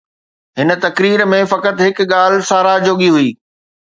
هن تقرير ۾ فقط هڪ ڳالهه ساراهه جوڳي هئي.